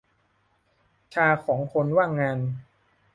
ชาของคนว่างงาน